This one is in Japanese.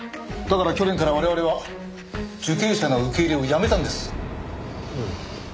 だから去年から我々は受刑者の受け入れをやめたんです。